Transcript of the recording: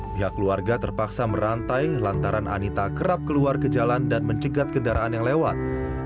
pihak keluarga terpaksa merantai lantaran anita kerap keluar ke jalan dan mencegat kendaraan yang lewat